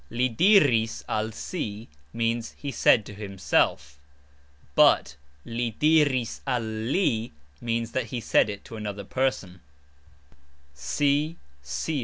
"Li diris al si"... means "He said to himself," but "Li diris al li" means that he said it to another person.